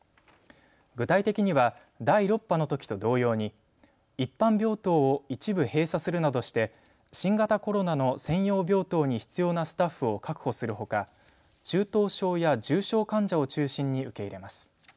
具体的には第６波のときと同様に一般病棟を一部閉鎖するなどして新型コロナの専用病棟に必要なスタッフを確保するほか中等症や重症患者を中心に受け入れます。